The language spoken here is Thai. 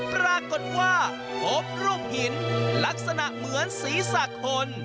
ปรากฏว่าพบรูปหินลักษณะเหมือนศีรษะคน